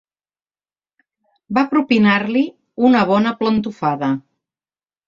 Va propinar-li una bona plantofada.